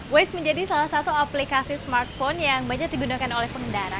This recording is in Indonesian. waste menjadi salah satu aplikasi smartphone yang banyak digunakan oleh pengendara